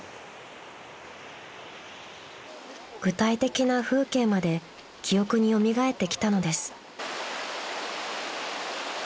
［具体的な風景まで記憶に蘇ってきたのです］